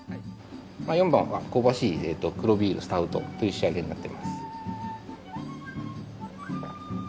４番は香ばしい黒ビールスタウトっていう仕上げになってます。